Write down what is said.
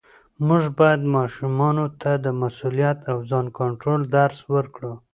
موږ باید ماشومانو ته د مسؤلیت او ځان کنټرول درس ورکړو